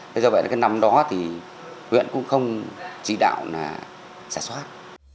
thế cho vậy là cái năm đó thì huyện cũng không chỉ đạo là xảy soát